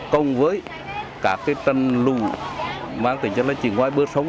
cùng với cả trần lũ mang tính cho là chỉ ngoài bước sống